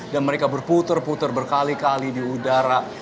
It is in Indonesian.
dan mereka berputar putar berkali kali di udara